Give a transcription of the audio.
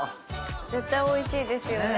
絶対おいしいですよね。